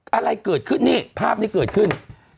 อะไรเกิดขึ้นนี่ภาพนี้เกิดขึ้น